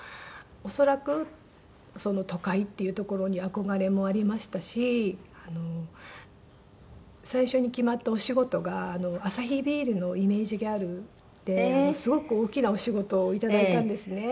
恐らく都会っていう所に憧れもありましたし最初に決まったお仕事がアサヒビールのイメージガールですごく大きなお仕事を頂いたんですね。